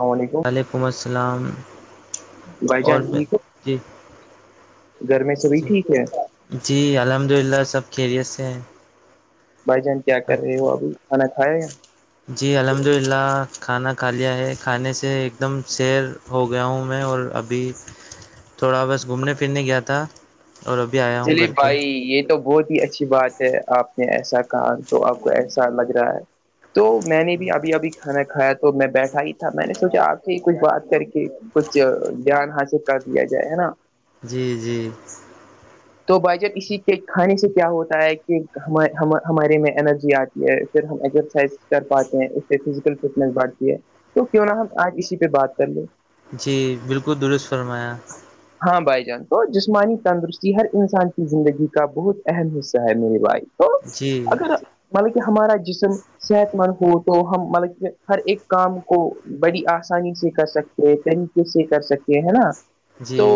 اللام علیکم وعلیکم السلام بھائی چان اور ٹھیک ہو جی گھر میں سبھی جی ٹھیک ہے جی الحمد للہ سب خیریت سے ہیں بھائی جان کیا کر رہے ہو ابھی کھا کھایاا جی الحمد للہ کھانا کھا لیا ہے کھانے سے ایک دم سیر ہو گیا ہوں میں اور ابھی تھوڑا بس گھومنے پھرنے گیا تھا اور ا بھی آ چلیے بھائی یہ تو بہت ہی اچھا اچھی بات ہے آپ نے ایسا کہا تو آپ کو ایسا لگ رہا ہے تو میں نے بھی ابھی ابھی کھانا کھایا تو میں بیٹھا ہی تھا میں نے سوچا آپ سے ہی کچھ بات کر کے کچھ جان حاصل کر دیا جائے ہے نا جی جی تو بھائی جب اسی کے کھانے سے کیا ہوتا ہے کہ ہمارے میں انرجی آتی ہے پھر ہم ایکسرسائز کر پاتے ہیں اس سے فزیکل فٹنیس بڑھتی ہے تو کیوں نہا ہم آج اسی پہ بات کر لیں جی بالکل درست فرمایا ہاں بھائی جان تو جسمانی تندرستی ہر انسان کی زندگی کا بہت اہم حصہ ہے میری بائی تو جی اگر بلکہ ہمارا جسم صحت مند ہو تو ہم مطلب ہر ایک کام کو بڑی آسانی سے کر سکتے طریقے سے کر سکے ہے نا جی تو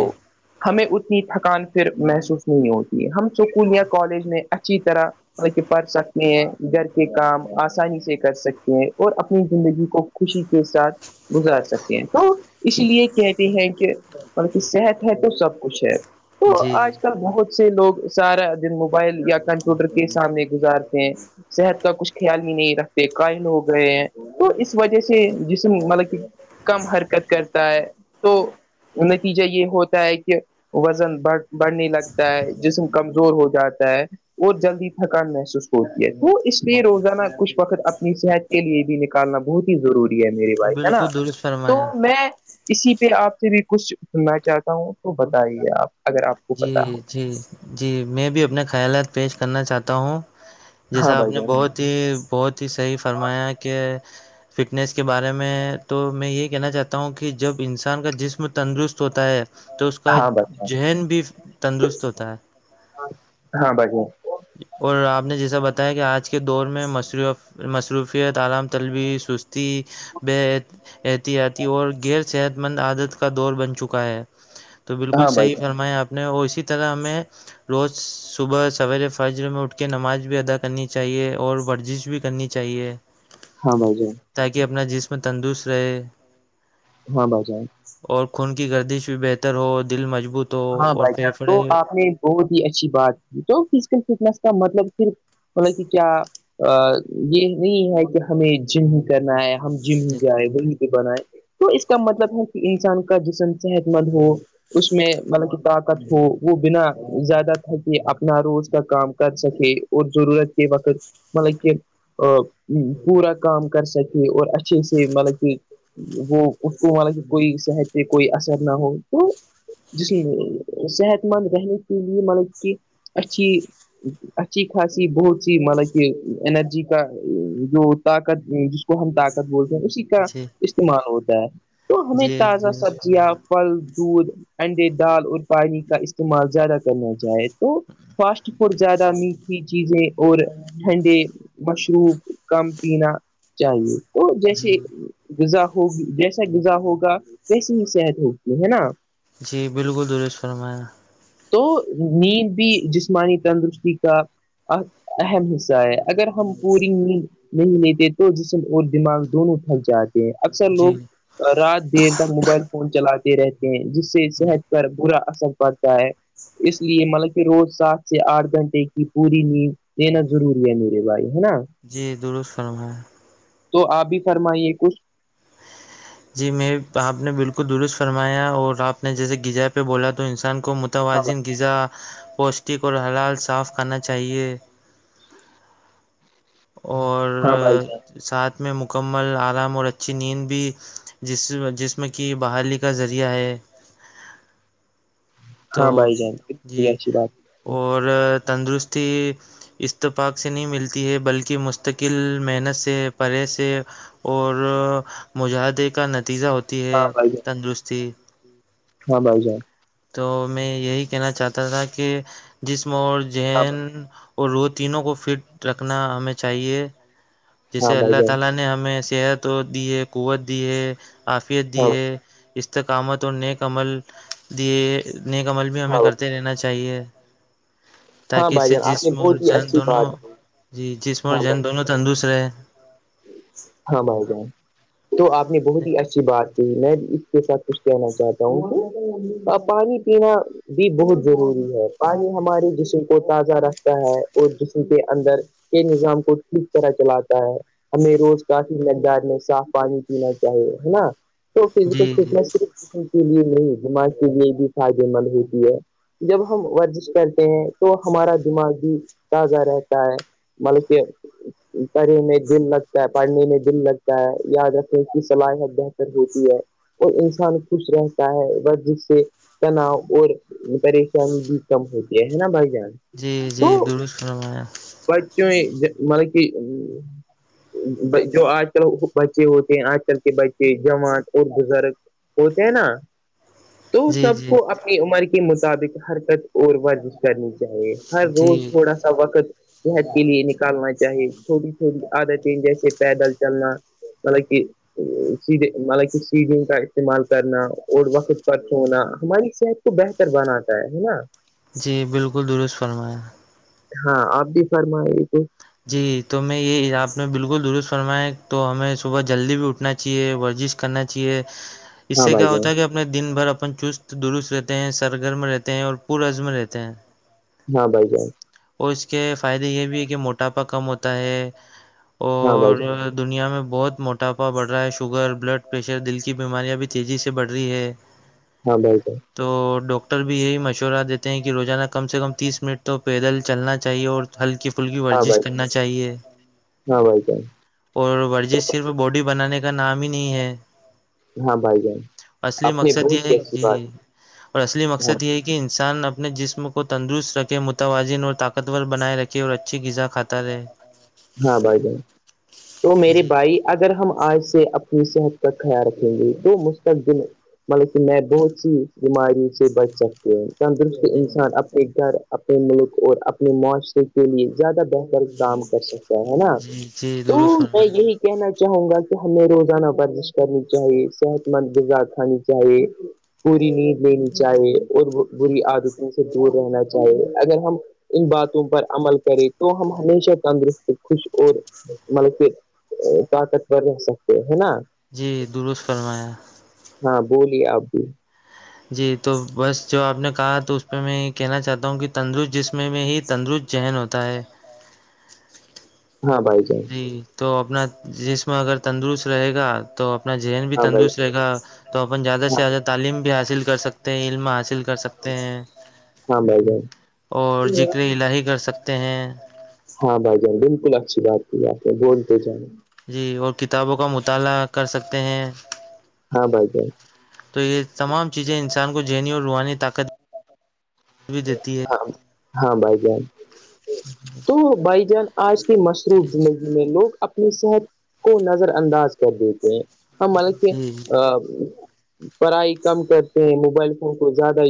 ہمیں اتنی تھکان پھر محسوس نہیں ہوتی ہے ہم اسکول یا کالج میں اچھی طرح کہ پڑھ سکتے ہیں گھر کے کام آسانی سے کر سکتے ہیں اور اپنی زندگی کو خوشی کے ساتھ گزار سکتے ہیں تو اس لیے کہتے ہیں کہ مطل کی صحت ہے تو سب کچھ ہے تو جی آج بہت سے لوگ سارا دن موبائل یا کمپیوٹر کے سامنے گزارتے ہیں صحت کا کچھ خیال ہی نہیں رکھتے قائل ہو گئے ہیں تو اس وجہ سے جسم مطلب کہ کم حرکت کرتا ہے تو نتیجہ یہ ہوتا ہے کہ وزن بڑھ بڑھنے لگتا ہے جسم کمزور ہو جاتا ہے اور جلدی تھکان محسوس ہوتی ہے تو اس لیے روزانہ کچھ وقت اپنی صحت کے لیے بھی نکالنا بہت ضروری ہے میری بائی ہے نا بالکل درست تو فرمایا میں اسی پہ آپ سے بھی کچھ سننا چاہتا ہوں تو بتائیے آپ اگر آپ کو پتا ہو جی جی جی میں بھی اپنے خیالات پیش کرنا چاہتا ہوں ہاں جیسا آپ بھائی نے جان بہت ہی بہت ہی صحیح فرمایا کہ فٹنس کے بارے میں تو میں یہ کہنا چاہتا ہوں کہ جب انسان کا جسم تندرست ہوتا ہے تو اس کا ہاں بھائی جان، ذہن بھی تندرست ہوتا ہے ہاں بھائی جان اور آپ نے جیسا بتا ہے کہ آج کے دور میں مصروفیت عالام طلبی سستی بے احتیاطی اور غیرصحت مند عادت کا دور بن چکا ہے تو بالکل ہاں بھائی صحیح جان فرما آپ نے اور اسی طرح ہمیں روز صبح سویرے فجر میں اٹھ کے نماز بھی ادا کرنی چاہیے اور ورزش بھی کرنی چاہیے ہاں بھائی ج تاکہ اپنا جسم تندرست رہے ہاں ب جا اور خون کی گردش بھی بہتر ہو دل مضبوط ہو اور بھان پھیپھڑے تو آپ نے بہت ہی اچھی بات کی تو فزیکل فٹنیس کا مطلب صف مطب کہ کیا یہ نہیں ہے کہ ہمیں جن کرنا ہے ہم جم ہی جی جائے ب بنائے تو اس کا مطلب ہے کہ انسان کا جسم صحت مند ہو اس میں مطلب کہ طاقت ہو وہ بنا زیادہ تھا کہ اپنا روز کا کام کر سکے اور ضرورت کی بقر مطلب کہ ا پورا کام کر سکے اور اچھے سے مطلب کہ وہ اس کو مانا کہ کوئی صحت پہ کوئی اثر نہ ہو تو جس میں صحت مند رہنے کے لیے مطلب کہ اچھی اچھی خاصی بہت سی مطلب کہ انرجی کا جو طاقت ہم طاقت بولتے ہیں اسی کا جی استعمال ہوتا ہے تو ہمیں جی تازہ درست سبزیاں فرمایا پھل دودھ انڈے دال اور پانی کا استعمال زیادہ کرنا چاہائے تو فاسٹ اورہت زیادہ میٹھی چیزیں اور ٹھنڈے مشروب کم پینا چاہیے تو جیسے جی غذا ہوگی جیسا غذا ہوگا ویسی ہی صحت ہوتی ہے نا جی بالکل دریش فرمایا تو نیند بھی جسمانی تندرستی کا اہم حصہ ہے اگر ہم پوری ن نہیں لیتے تو جسم اور دماغ دونوں تھک جاتے اکثر لوگ جی رات دیر تک موبائل فون چلاتے رہتے ہیں جس سے صحت پر برا اثر پڑتا ہے اس لیے مطلب کہ روز سات سے آٹھ گھنٹے کی پوری نیند دینا ضروری ہے میرے بھائی ہے نا جی درست فرما ہے تو آپ بھی فرمائیے کچھ جی میں آپ نے بالکل درست فرمایا اور آپ نے جیسے غذائے پہ بولا تو انسان کو ہاں توازن بھائی غذا پوشٹک اور حلال صاف کرنا چاہیے [unintelligible] اور ہاں بھائی جان ساتھ میں مکمل آرام اور اچھی نیند بھیس جسم کی بحالی کا ذریعہ ہے تو ہاں بھائی جان کتنی جی اھی بات اور تندرستی اتفاق سے نہیں ملتی ہے بلکہ م متقل محنت سے پرے سے اور مجاہدے کا نتیجہ ہوتا تی ہے ہاں بھائی جان تندرستی ہاں بھائی جائی تو میں یہی کہنا چاہتا تھا کہ جسم اور ہاں جین بھائی اور وہ تینوں کو فٹ رکھنا ہمیں چاہیے ہاں جسے بھائی اللہ جان تعالا نے ہمیں صحت دی ہے قوت دی ہے عفیت دی ہاں ہے استقامت اور نیک عمل دیے نیکمل بھی ہمیں ہاں کرتے رہنا چاہیے ہاں تاکہ اس بھائی سے جان آپ نے جسم اور بہت ہی جن اچھی دونوں بات کی۔ جی جسم اور ہاں بھائی جم دونوں تندرست رہے ہاں بھائی جان تو آپ نے بہت ہی اچھی بات کہ میں اس کے ساتھ کچھ کہنا چاہتا ہوں کہ پانی پینا بھی بہت ضروری ہے پانی ہماری جس کو تازہ رکھتا ہے اور جسم کے اندر کے نظام کو ٹھیک طرح چلاتا ہے ہمیں روز کافی مقدار میں ساف پانی پینا چاہے نا تو فزیکل جی فٹس کسی کے لیے نہیں دماغ کے لیے بھی فائدے مند ہوتی ہے جب ہم ورزش کرتے ہیں تو ہمارا دماغ بھی تازہ رہتا ہے مطلب کہ پڑنے میں دل لگتا ہے پڑھنے میں دل لگتا ہے یاد رکھیں اس کی صلاحیت بہتر ہوتی ہے اور انسان خوش رہتا ہے بس جس سے تناؤ اور پریشانی بھی کم ہوتی ہے ہے نا بھائی جان جی جی درست نوایا بچچوں مطلب کہ جو آج کل بچے ہوتے ہیں آج کل کے بچے جماعت اور بزرگ ہوتے ہیں نا تو جی سب جی کو اپنی عمر کے مطابق حرکت اور ورجش کرنی چاہیے ہر روز جی تھوڑا س وقت صحت کے لیے نکالنا چاہی چھوٹی چھوٹی عادتیں جیسے پیدل چلنا مطل کی سیدے مطلب کہ سیدوں کا استعمال کرنا اور وقت پر چھونا ہماری صحت کو بہتر بناتا ہے نا جی بالکل درست فرمایا ہاں آپ بھی فرمائیے تو جی تو میں یہ آپ نے بالکل درست فرمایا تو ہمیں صبح جلدی بھی اٹھنا چاہیے ورزش کرنا چاہیے اس ہاں سے بھائی کیا جان ہوتا ہے کہ اپنے دن بھر اپن چست درست رہتے ہیں سرگر میں رہتے ہیں اور پورز میں رہتے ہیں ہاں بھائی جان اور اس کے فائدے یہ بھی ہے کہ موٹاپا کم ہوتا ہے [unintelligible] اور بھائی جان دنیا میں بہت موٹاپا بڑھ رہا ہے شوگر بلڈ پریشر دل کی بیماریاں بھی تیزی سے بڑھ رہی ہے ہاں بھائی جان تو ڈاکٹر بھی یہی مشورہ دیتے ہیں کہ روزانہ کم سے کم تیس منٹ تو پیدل چلنا چاہیے اور ہلکی پھلکی ہاں ورزش بھائی ج کرنا چاہیے ہاں بھائی جائی اور ورزش صرف باڈی بنانے کا نام ہی نہیں ہے ہاں بھائی جان اصلی آپ نے مقصد یہ بہت ہے ہی اچھی بات جی اور اصلی ہاں مقصد یہ ہے کہ کہ انسان اپنے جسم کو تندرست رکھے متوازن اور طاقتور بنائے رکھے اور اچھی غذا کو ہاں بھائی جن تو میری جی بھائی اگر ہم آج سے اپنی صحت کا خیال رکھیں گے تو مستقبل مطلب کہ میں بہت سی بیماریوں سے بچ سکتی ہوں تندرست انسان اپنے گھر اپنے ملک اور اپنے معاشرے کے لیے زیادہ بہتر کام کر سکتا ہے ہے نا جی جی تو درست میں فرمایا یہی کہنا چاہوں گا کہ ہمیں روزانہ ورزش کرنی چاہیے صحت مند غذا کھانی چاہیے پوری نیند لینی چاہیے اور بری آدتیوں سے دور رہنا چاہیے اگر ہم ان باتوں پر عمل کریں تو ہم ہمیشہ تندرست خوش اور مل طاقتور رہ سکتے ہے نا جی درست فرمایا ہاں بولیے آپ بھی جی تو بس جو آپ نے کہا تو اس پہ میں یہ کہنا چاہتا ہوں کہ تندرست جس میں میں ہی تندرست چہین ہوتا ہے ہاں بھائی ج تو اپنا جسم اگر تندرست رہے گا تو اپنا ذہن بھی ہاں بھائی تندرست رہے گا تو اپن زیادہ سے ہاں زیادہ تعلیم بھی حاصل کر سکتے ہیں علم حاصل کر سکتے ہیں ہاں بھائی جان اور زکر الہی کر سکتے ہیں ہاں بھائی جان بالکل اچھی بات کی آپ نے ووٹ دے جانا جی اور کتابوں کا مطالعہ کر سکتے ہیں ہاں بھائی بھائی تو یہ تمام چیزیں انسان کو ذہنی اور روحانی طاقت بھی دیتی ہے- ہاں بھائی جان تو بھائی جان آج- مصروف زندگی میں لوگ اپنی صحت کو نظر انداز کر دیتے ہیں- ہاں ملک جی پہ- پڑھائی کم کرتے ہیں موبائل فون کو زیادہ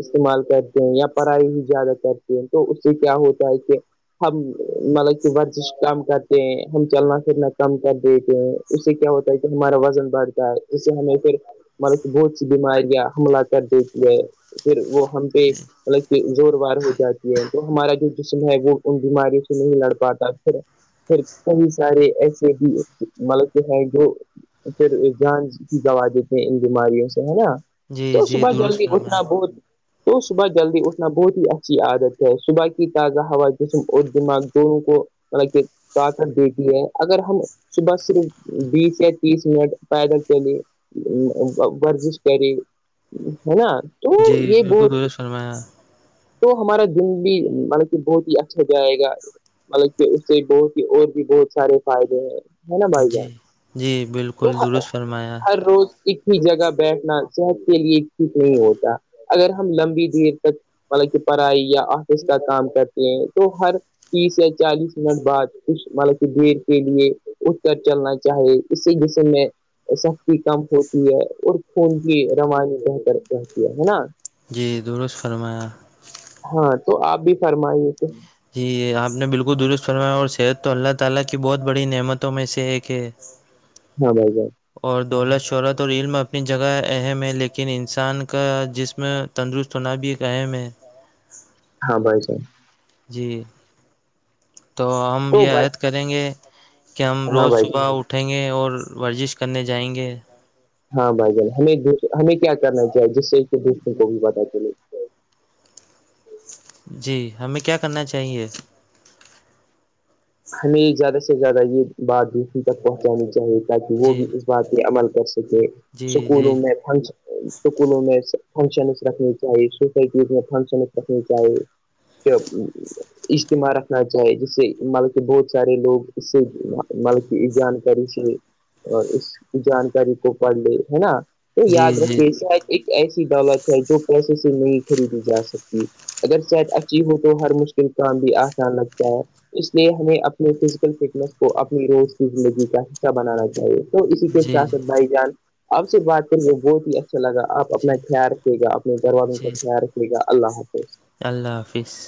استعمال کرتے- یا پڑھائی بھی زیادہ کرتے ہیں تو اس سے کیا ہوتا ہے کہ ہم مطلب کہ ورزش کم کرتے ہیں ہم چلنا پھرنا کم کر دیتے ہیں اس سے کیا ہوتا ہے کہ ہمارا وزن بڑھتا ہے اس سے ہمیں پھر ملطلب بہت سی بیماریاں حملہ کر دیتی ہے پھر وہ ہم پہ مطلب کہ زور وار ہو جاتی ہے تو ہمارا جو جسم ہے وہ ان بیماریوں سے نہیں لڑ پاتا پھر پھر کئی سارے ایسے بھی مطلب کہ ہے جو- پھر جان کی دوا دیتے ہیں ان بیماریوں سے ہے نا- جی تو جی صبح درست جلدی فرمایا اٹھنا بہت- بس جلدی اٹھنا بہت ہی اچھی عادت ہے صبح کی تازہ ہوا دونوں کو- ملا کہ- طاقت دیکھی ہے اگر ہم صبح صرف بیس یا تیس منٹ پیدل چلے- ورزش کرے ہے نا- تو جی یہ بالکل بہت درست- فرمایا تو ہمارا زندگی بہت ہی اچھا جائے گا- مطلب کہ اس سے بہت ہی اور بھی بہت سارے فائدے ہیں- ہے نا بھائی جان جی- جی بالکل درست فرمایا- اکہی جگہ بیٹھنا صحت کے لیے ٹھیک نہیں ہوتا اگر ہم لمبی- دیر تک مطلب کہ پڑھائی یا آفس کا کام کرتے ہیں تو ہر- تیس یا چالیس منٹ بعد کچھ مطلب کہ دیر کے لیے سے- اٹھ کر چلنا چاہیے اسی جسم میں- کم ہوتی ہے اور خون کی روانی کرتے ہیں نا- جی درست فرمایا- ہاں تو آپ بھی فرمائیے تھے- جی اپ نے بالکل درست فرمایا اور صحت تو اللہ تعالی کی بہت بڑی نعمتوں میں سے ہے کہ- ہاں بھائی جان- اور دولت شہرت اور ریل میں اپنی جگہ اہم ہے لیکن انسان کا جس میں- تندرست ہونا بھی ایک اہم ہے- ہاں بھائی جان- جی تو ہم تو یہ بھائی عہد کریں گے کہ ہم ہاں روز صبح اٹھیں گے اور ورزش- کرنے ورزش جائیں گے کرنے جائیں گے- ہاں بھائی جان ہمیں کیا کرنا چاہیے جس سے دوسروں کو بھی پتہ چلے- جی ہمیں کیا کرنا چاہیے- ہمیں زیادہ سے زیادہ یہ بات دوسری تک پہنچانی چاہیے تاکہ وہ جی بھی اس- بات پہ عمل کر سکے جی جی سکولوں میں- اسکولوں میں فنکشنس رکھنے چاہیے سوسائٹیز میں فنکشنس رکھنے چاہیے- اجتماع رکھنا چاہے جسے- بہت سارے لوگ اس سے ملک کی جانکاری سے- اور اس کی جانکاری کو پڑھ لے ہی نا تو جی یاد جی رکھیں- ایک اگر صحت اچھی ہو تو ہر مشکل کام بھی آسان لگتا ہے- اس لیے ہمیں اپنے فزیکل فٹنس کو اپنی روز کی زندگی کا حصہ بنانا چاہیے- اسی کے جی ساتھ بھائی جان اب سے بات کریں وہ بہت ہی اچھا لگا آپ اپنا جی خیال رکھھیے گا اپنے گھر والوں کا جی خیال رکھھیے گا اللہ حافظ- اللہ حافظ-